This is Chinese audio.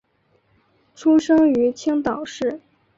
出生于青岛市。